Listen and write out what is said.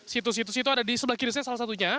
situs situs itu ada di sebelah kiri saya salah satunya